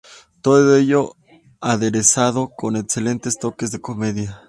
Todo ello aderezado con excelentes toques de comedia.